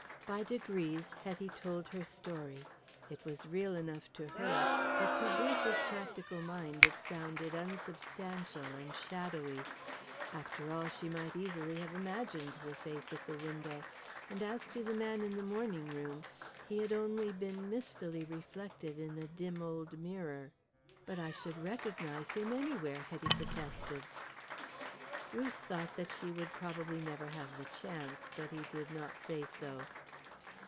By degrees Hetty told her story. It was real enough to her, but to Bruce's practical mind it sounded unsubstantial and shadowy. After all, she might easily have imagined the face at the window, and as to the man in the morning room, he had only been mistily reflected in a dim old mirror. "But I should recognize him anywhere," Hetty protested. Bruce thought that she would probably never have the chance, but he did not say so.